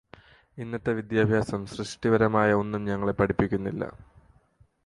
ഇന്നത്തെ വിദ്യാഭ്യാസം സൃഷ്ടിപരമായ ഒന്നും ഞങ്ങളെ പഠിപ്പിക്കുന്നില്ല.